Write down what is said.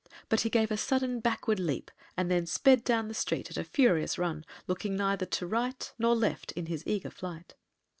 But he gave a sudden backward leap and then sped down the street at a furious run, looking neither to right nor left in his eager flight.